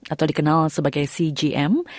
atau dikenal sebagai cgm